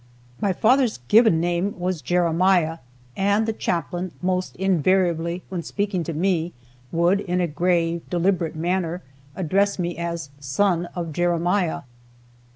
My father's given name was Jeremiah, and the Chaplain almost invariably, when speaking to me, would, in a grave, deliberate manner, address me as "Son of Jeremiah."